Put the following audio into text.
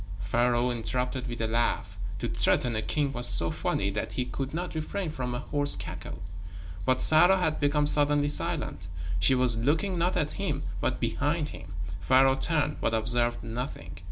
Pharaoh interrupted with a laugh. To threaten a king was so funny that he could not refrain from a hoarse cackle. But Sarah had become suddenly silent. She was looking not at him, but behind him. Pharaoh turned, but observed nothing.